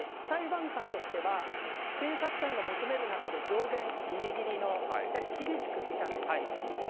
裁判官としては検察官が求める中で上限ギリギリのやはり厳しく見たということ。